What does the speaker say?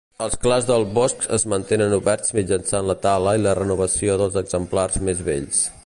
Els clars del bosc es mantenen oberts mitjançant la tala i la renovació dels exemplars més vells.